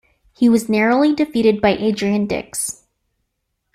He was narrowly defeated by Adrian Dix.